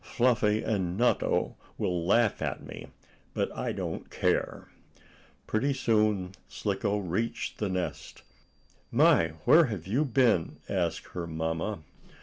"Fluffy and Nutto will laugh at me. But I don't care." Pretty soon Slicko reached the nest. "My! Where have you been?" asked her mamma.